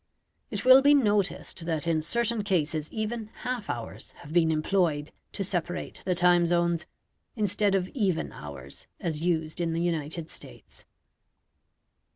It will be noticed that in certain cases even half hours have been employed to separate the time zones, instead of even hours as used in the United States.